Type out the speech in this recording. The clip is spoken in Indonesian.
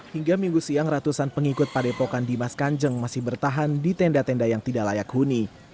hingga minggu siang ratusan pengikut padepokan dimas kanjeng masih bertahan di tenda tenda yang tidak layak huni